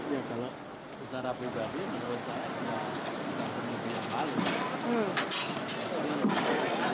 ya kalau secara pribadi menurut saya